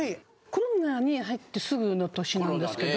コロナに入ってすぐの年なんですけど。